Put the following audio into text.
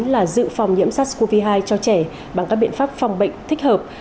là dự phòng nhiễm sars cov hai cho trẻ bằng các biện pháp phòng bệnh thích hợp